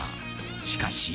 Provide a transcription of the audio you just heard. しかし。